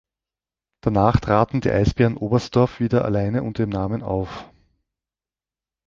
Danach traten die Eisbären Oberstdorf wieder alleine unter ihrem Namen auf.